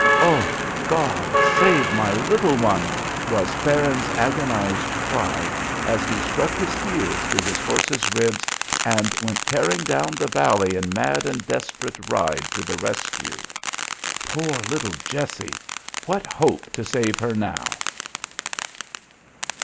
"O God! save my little one!" was Farron's agonized cry as he struck his heels to his horse's ribs and went tearing down the valley in mad and desperate ride to the rescue. Poor little Jessie! What hope to save her now?